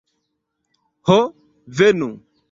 Ho venu!